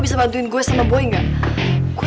satu lawan satu